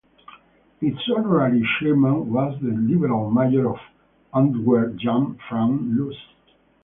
Its honorary chairman was the liberal mayor of Antwerp Jan Frans Loos.